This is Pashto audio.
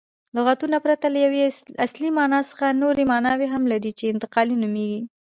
لغتونه پرته له یوې اصلي مانا څخه نوري ماناوي هم لري، چي انتقالي نومیږي.